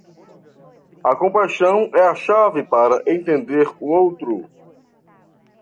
A compaixão é a chave para entender o outro.